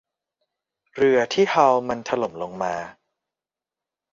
เรือที่ฮัลล์มันถล่มลงมา